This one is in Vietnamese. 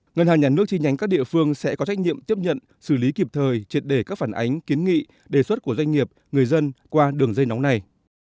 ngân hàng nhà nước chi nhánh các địa phương sẽ có trách nhiệm tiếp nhận xử lý kịp thời triệt đề các phản ánh kiến nghị đề xuất của doanh nghiệp người dân qua đường dây nóng này